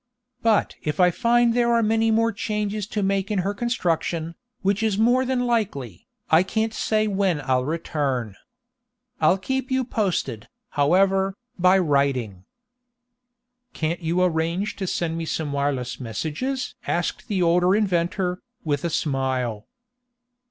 But if I find there are many more changes to make in her construction, which is more than likely, I can't say when I'll return. I'll keep you posted, however, by writing." "Can't you arrange to send me some wireless messages?" asked the older inventor, with a smile.